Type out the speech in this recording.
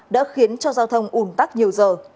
đã khiến cho giao thông ủng tắc nhiều giờ